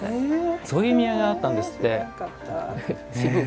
そういう意味合いがあったんですって。